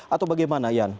atau bagaimana ian